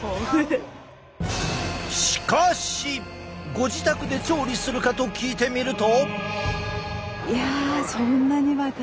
ご自宅で調理するかと聞いてみると。